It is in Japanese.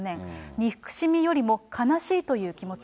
憎しみよりも悲しいという気持ち。